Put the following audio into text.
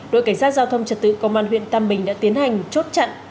đội cảnh sát giao thông trật tự công an huyện tam bình đã tiến hành chốt chặn